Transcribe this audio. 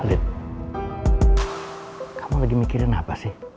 kamu lagi mikirin apa sih